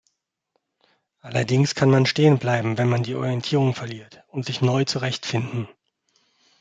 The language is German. Allerdings kann man stehenbleiben, wenn man die Orientierung verliert, und sich neu zurechtfinden.